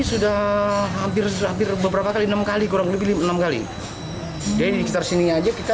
sudah hampir hampir beberapa kali enam kali kurang lebih enam kali jadi sekitar sini aja kita